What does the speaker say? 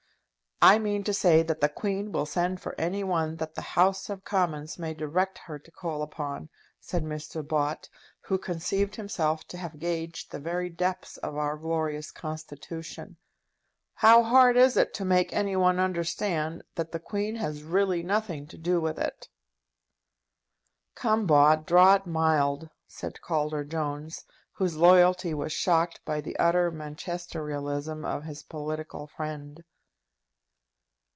"I mean to say that the Queen will send for any one that the House of Commons may direct her to call upon," said Mr. Bott, who conceived himself to have gauged the very depths of our glorious Constitution. "How hard it is to make any one understand that the Queen has really nothing to do with it!" "Come, Bott, draw it mild," said Calder Jones, whose loyalty was shocked by the utter Manchesterialism of his political friend.